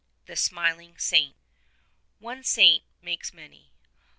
57 THE SMILING SAINT. O NE Saint makes many.